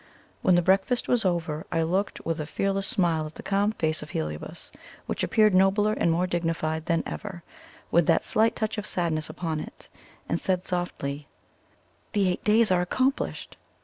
When the breakfast was over, I looked with a fearless smile at the calm face of Heliobas, which appeared nobler and more dignified than ever with that slight touch of sadness upon it, and said softly: "The eight days are accomplished!"